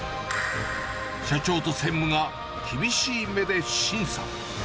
社長と専務が厳しい目で審査。